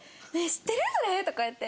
知ってる？それ」とか言って。